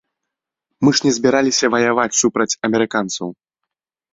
Мы ж не збіраліся ваяваць супраць амерыканцаў.